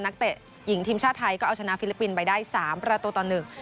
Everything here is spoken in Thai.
เตะหญิงทีมชาติไทยก็เอาชนะฟิลิปปินส์ไปได้สามประตูต่อหนึ่ง